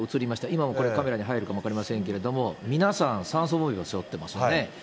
今もカメラに入るかも分かりませんけれども、皆さん酸素ボンベを背負ってますよね。